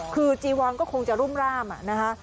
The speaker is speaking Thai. คือจีวอนก็คงจะรุ่มร่ามนะคะ